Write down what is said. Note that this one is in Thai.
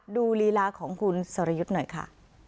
ลีลาของคุณสรยุทธ์หน่อยค่ะ